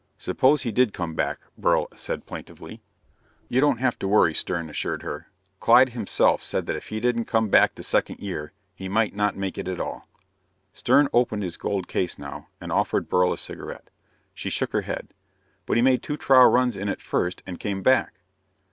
Suppose he did come back," Beryl said plaintively. "You don't have to worry," Stern assured her. "Clyde himself said that if he didn't come back the second year, he might not make it at all." Stern opened his gold case now and offered Beryl a cigarette. She shook her head. "But he made two trial runs in it first and came back."